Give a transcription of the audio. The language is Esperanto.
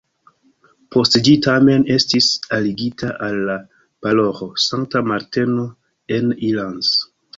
Post ĝi tamen estis aligita al la paroĥo Sankta Marteno en Ilanz.